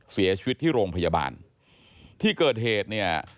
เสียชีวิตที่โรงพยาบาลที่เกิดเหตุเนี่ย